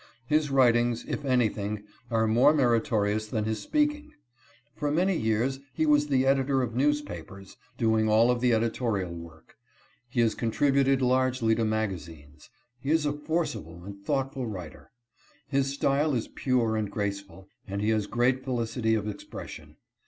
His writings, if anything, are more meritorious than his speaking. For many years he was the editor of newspapers, doing all of the editorial work. He has contributed largely to magazines. He is a forcible and thoughtful writer. His style is pure and graceful, and he has great felicity of expression.